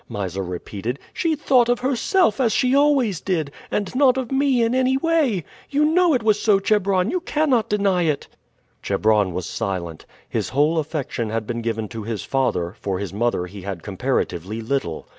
Mysa repeated. "She thought of herself, as she always did, and not of me in any way. You know it was so, Chebron you cannot deny it!" Chebron was silent. His whole affection had been given to his father, for his mother he had comparatively little.